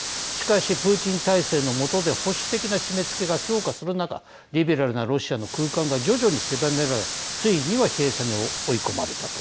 しかしプーチン体制の下で保守的な締めつけが強化する中リベラルなロシアの空間が徐々に狭められついには閉鎖に追い込まれたと。